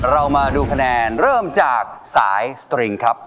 เรามาดูคะแนนเริ่มจากสายสตริงครับ